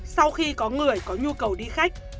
sau khi có người có nhu cầu đi khách